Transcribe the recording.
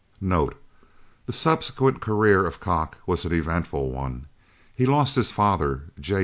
Note. The subsequent career of Kock was an eventful one. He lost his father, J.